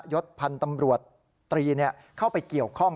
ศพันธ์ตำรวจตรีเข้าไปเกี่ยวข้อง